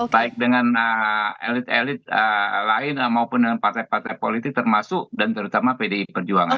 baik dengan elit elit lain maupun dengan partai partai politik termasuk dan terutama pdi perjuangan